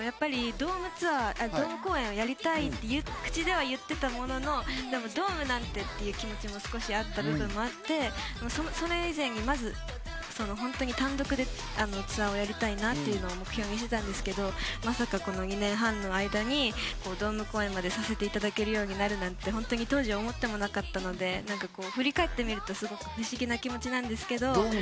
ドーム公演をやりたいって、口では言ってたものの、ドームなんてっていう気持ちも少しあった部分もあって、それ以前にまず単独でツアーをやりたいなっていうのを目標にしてたんですけど、まさかこの２年半の間にドーム公演までさせていただけるようになるなんて当時、思ってもなかったので振り返ってみると、すごく不思議な気持ちなんですけど。